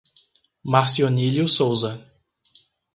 Marcionílio Souza